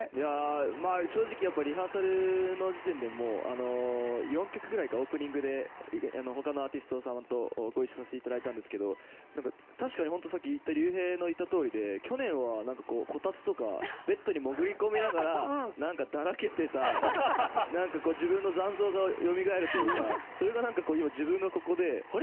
正直、リハーサルの時点で４曲ぐらいオープニングで他のアーティストさんとご一緒させていただいて確かにＲＹＵＨＥＩの言ったとおりで、去年はこたつとかベッドに潜り込みながらだらけてた、自分の残像がよみがえるというかそれが今、自分がここであれ？